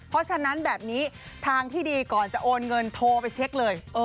เพราะฉะนั้นแบบนี้ทางที่ดีก่อนจะโอนเงินโทรไปเช็คเลย